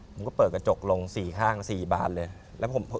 ผมก็เปิดกระจกลง๔ข้าง๔บานเลย